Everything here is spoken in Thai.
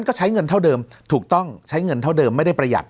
ก็ใช้เงินเท่าเดิมถูกต้องใช้เงินเท่าเดิมไม่ได้ประหยัด